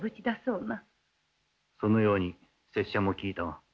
そのように拙者も聞いたが。